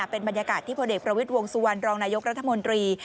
เป็นบรรยากาศที่พลเอกประวิทย์วงสุวรรณรองนายกรัฐมนตรี